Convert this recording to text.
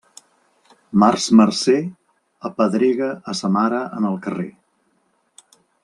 Març marcer, apedrega a sa mare en el carrer.